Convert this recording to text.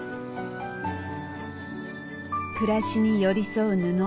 暮らしに寄り添う布。